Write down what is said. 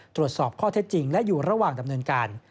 ตรวจสอบข้อเท็จจริงและอยู่ระหว่างดำเนินการ